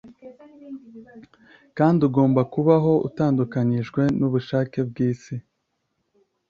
Kandi ugomba kubaho utandukanijwe nubushake bwisi